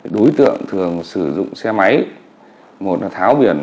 đối tượng thường sử dụng xe máy một là tháo biển